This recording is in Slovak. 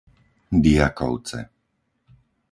Diakovce